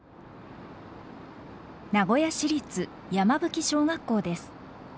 名古屋市立山吹小学校です。